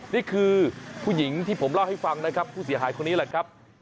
นี่คือผู้หญิงที่ผมเล่าให้ฟังนะครับผู้เสียหายคนนี้แหละครับ